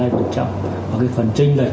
và cái phần trinh lệch